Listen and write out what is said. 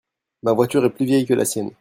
Ma voiture est plus vieille que la sienne.